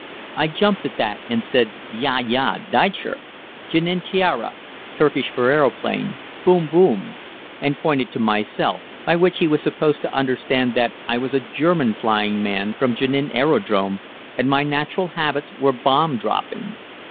I jumped at that and said, "Ja ja, Deitscher Jenin tiara (Turkish for aeroplane) boom, boom," and pointed to myself, by which he was supposed to understand that I was a German flying man from Jenin aerodrome, and my natural habits were bomb dropping.